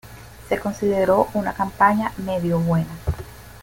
Se consideró una campaña "medio buena".